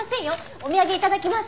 お土産頂きます。